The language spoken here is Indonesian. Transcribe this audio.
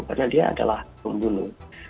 karena dia adalah pembunuh